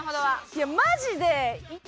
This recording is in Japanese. いやマジで。